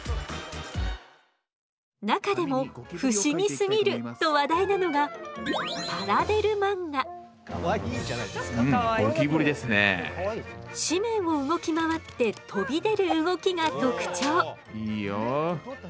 中でも「不思議すぎる！」と話題なのが紙面を動き回って飛び出る動きが特徴。